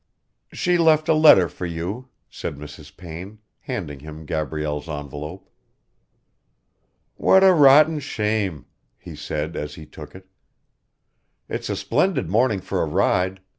"She left a letter for you," said Mrs. Payne, handing him Gabrielle's envelope. "What a rotten shame," he said as he took it. "It's a splendid morning for a ride.